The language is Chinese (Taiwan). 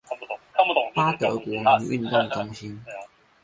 八德國民運動中心